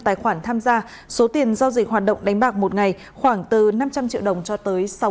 tài khoản tham gia số tiền giao dịch hoạt động đánh bạc một ngày khoảng từ năm trăm linh triệu đồng cho tới